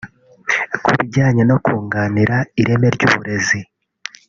Ku bijyanye no kunganira ireme ry’uburezi